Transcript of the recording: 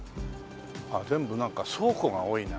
全部なんか倉庫が多いな。